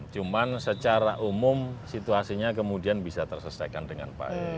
cuma secara umum situasinya kemudian bisa tersesaikan dengan baik